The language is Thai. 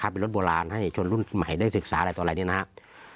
เป็นรถโบราณให้ชนรุ่นใหม่ได้ศึกษาอะไรต่ออะไรเนี่ยนะครับ